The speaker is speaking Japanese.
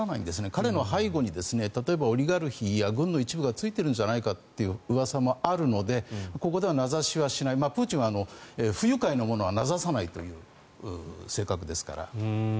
彼の背後に例えばオリガルヒや軍の一部がついているんじゃないかといううわさもあるのでここでは名指しはしないプーチンは不愉快な者は名指さないという性格ですから。